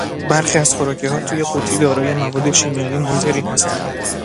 برخی از خوراکهای توی قوطی دارای مواد شیمیایی مضری هستند.